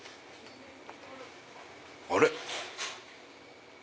あれ？